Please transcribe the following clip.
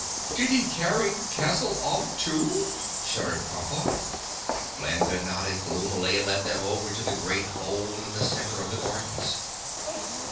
"Did he carry the castle off, too?" shuddered Pompa. Glinda nodded gloomily and led them over to the great hole in the center of the gardens.